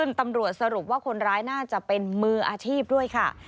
ซึ่งตำรวจสรุปว่าคนร้ายน่าจะเป็นมืออาชีพด้วยค่ะ